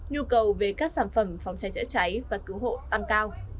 nhu cầu về các sản phẩm phòng cháy chữa cháy và cứu hộ tăng cao